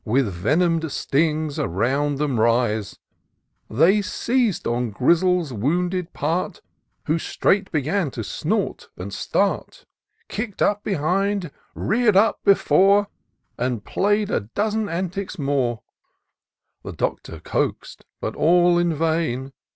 With venom'd stings, around them rise : They seiz'd on Grizzle's wounded part, Who straight began to snort and start ; IN SEARCH OF THE PICTURESWE. 39 Kick'd up behind, reax'd up before, And play*d a dozen antics more : The Doctor coax'd, but all in vain.